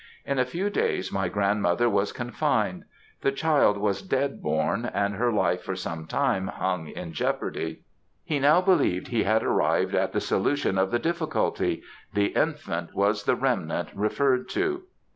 In a few days my grandmother was confined. The child was dead born and her life for some time hung in jeopardy. He now believed he had arrived at the solution of the difficulty the infant was the "remnant" referred to.